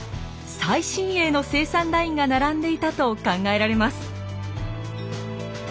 最新鋭の生産ラインが並んでいたと考えられます。